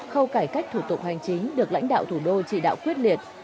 khâu cải cách thủ tục hành chính được lãnh đạo thủ đô chỉ đạo quyết liệt